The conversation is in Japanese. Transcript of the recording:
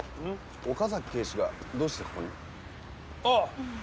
岡崎警視がどうしてここに？ああ偶然だ。